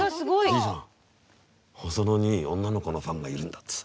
じいさん細野に女の子のファンがいるんだってさ。